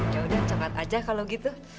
ya udah yang cokelat aja kalau gitu